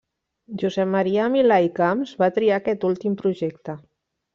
Josep Maria Milà i Camps va triar aquest últim projecte.